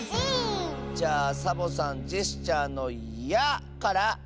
じゃあサボさんジェスチャーの「や」から！